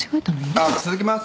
あっ続けます。